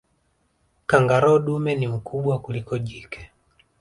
kangaroo dume ni mkubwa kuliko jike